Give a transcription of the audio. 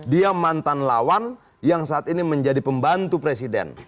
dia mantan lawan yang saat ini menjadi pembantu presiden